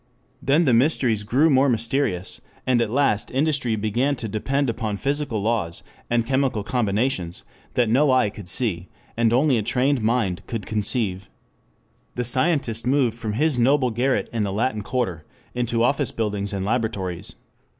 Then the mysteries grew more mysterious, and at last industry began to depend upon physical laws and chemical combinations that no eye could see, and only a trained mind could conceive. The scientist moved from his noble garret in the Latin Quarter into office buildings and laboratories.